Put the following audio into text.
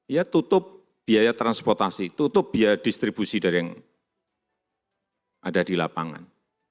ya tutup biaya transportasi tutup biaya distribusi dari yang ada di lapangan